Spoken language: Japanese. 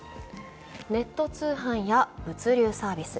ネット通販や物流サービス